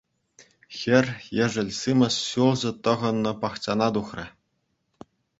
Хӗр ешӗл симӗс ҫулҫӑ тӑхӑннӑ пахчана тухрӗ.